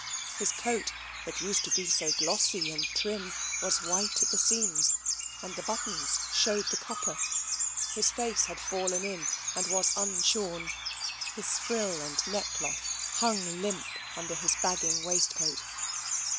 His coat, that used to be so glossy and trim, was white at the seams, and the buttons showed the copper. His face had fallen in, and was unshorn; his frill and neckcloth hung limp under his bagging waistcoat.